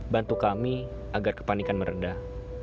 bantu kami agar kepanikan meredah